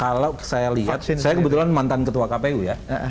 kalau saya lihat saya kebetulan mantan ketua kpu ya